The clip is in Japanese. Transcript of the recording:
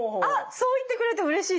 そう言ってくれてうれしいです。